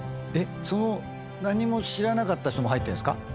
その何も知らなかった人も入ってるんですか？